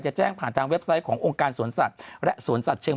แจ้งผ่านทางเว็บไซต์ขององค์การสวนสัตว์และสวนสัตว